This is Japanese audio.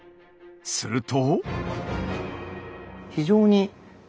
すると。